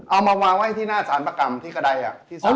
เอามาวางไว้ที่หน้าสารประกรรมที่กระดายที่ศาล